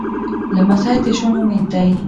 لمسی د ژوند امید دی.